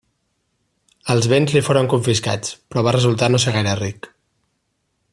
Els béns li foren confiscats, però va resultar no ser gaire ric.